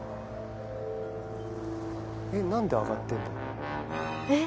えっ何で上がってんだ？